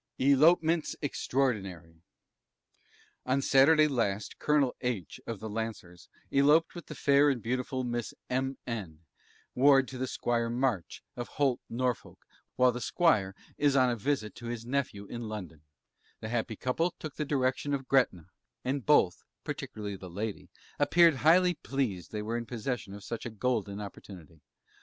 ELOPEMENTS EXTRAORDINARY. On Saturday last, Colonel H , of the Lancers, eloped with the fair and beautiful Miss M n, Ward to Squire March, of Holt, Norfolk, while the Squire is on a visit to his Nephew in London: the happy couple took the direction to Gretna, and both (particularly the lady) appeared highly pleased they were in possession of such a golden opportunity.